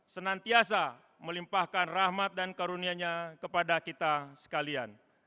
senantiasa melimpahkan rahmat dan karunianya kepada kita sekalian